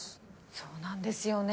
そうなんですよね。